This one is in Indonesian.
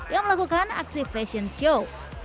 yang melakukan aksi fashion show